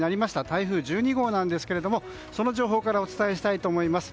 台風１２号なんですがその情報からお伝えします。